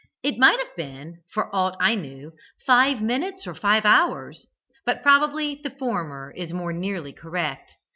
It might have been, for aught I knew, five minutes or five hours, but probably the former is more nearly correct.